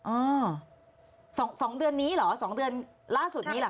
อ่า๒เดือนนี้เหรอ๒เดือนล่าสุดนี้เหรอค